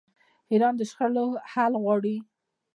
ایران د شخړو حل غواړي.